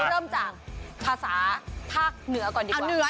เริ่มจากภาษาภาคเหนือก่อนดี